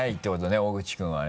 大口君はね。